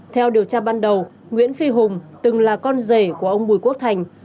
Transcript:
theo điều tra ban đầu nguyễn phi hùng từng là con rể của ông bùi quốc thành